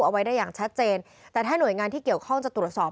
เอาไว้ได้อย่างชัดเจนแต่ถ้าหน่วยงานที่เกี่ยวข้องจะตรวจสอบ